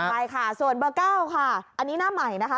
ใช่ค่ะส่วนเบอร์๙ค่ะอันนี้หน้าใหม่นะคะ